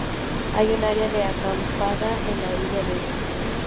Hay un área de acampada en la orilla este.